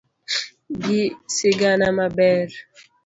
gi sigana maber